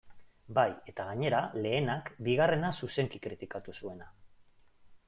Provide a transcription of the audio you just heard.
Bai, eta gainera, lehenak bigarrena zuzenki kritikatu zuena.